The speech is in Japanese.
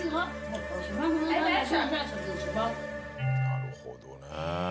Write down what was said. なるほどね。